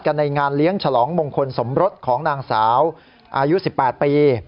ในงานเลี้ยงฉลองมงคลสมรสของนางสาวอายุ๑๘ปี